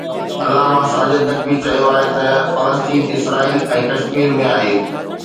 علامه ساجد نقوي چيو آهي ته فلسطين اسرائيل ۽ ڪشمير ۾ آهي